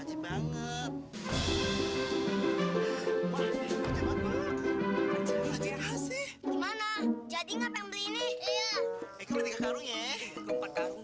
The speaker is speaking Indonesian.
gimana jadi ngapain ini